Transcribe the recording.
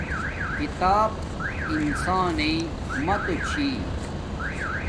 کتاب انسانݵ ماتو چھی